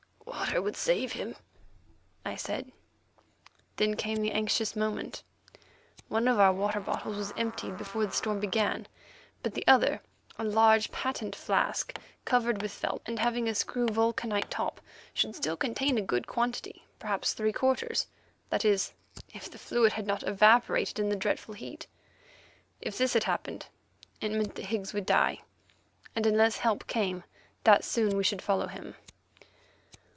"Water would save him," I said. Then came the anxious moment. One of our water bottles was emptied before the storm began, but the other, a large, patent flask covered with felt, and having a screw vulcanite top, should still contain a good quantity, perhaps three quarts—that is, if the fluid had not evaporated in the dreadful heat. If this had happened, it meant that Higgs would die, and unless help came, that soon we should follow him.